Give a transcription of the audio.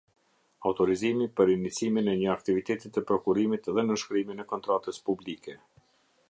Autorizimi për inicimin e një aktiviteti të prokurimit dhe nënshkrimin e kontratës publike.